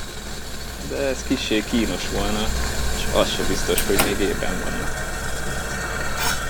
De ez kissé kínos volna, s az se biztos, hogy még ébren vannak.